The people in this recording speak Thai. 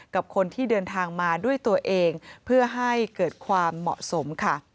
กับคนที่เดินทางมาด้วยตัวเองเพื่อให้เกิดความเหมาะสมค่ะ